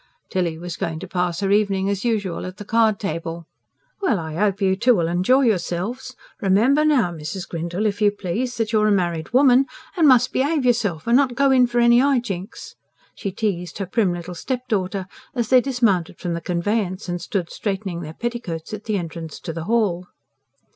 Tilly was going to pass her evening, as usual, at the card table. "Well, I hope you two'll enjoy yourselves. Remember now, Mrs. Grindle, if you please, that you're a married woman and must behave yourself, and not go in for any high jinks," she teased her prim little stepdaughter, as they dismounted from the conveyance and stood straightening their petticoats at the entrance to the hall.